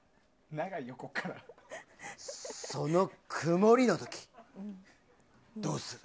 その曇りの時、どうする？